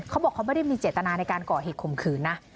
เขาบอกเขาไม่ได้มีเจตนาในการก่อเหตุข่มขืนนะ